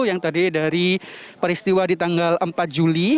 yang tadi dari peristiwa di tanggal empat juli